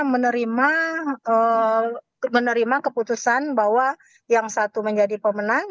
menerima keputusan bahwa yang satu menjadi pemenang